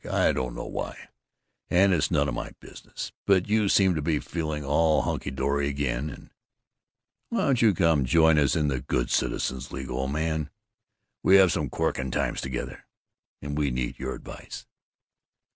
I don't know why, and it's none of my business. But you seem to be feeling all hunky dory again, and why don't you come join us in the Good Citizens' League, old man? We have some corking times together, and we need your advice."